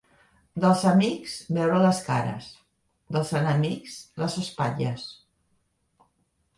Dels amics, veure les cares; dels enemics, les espatlles.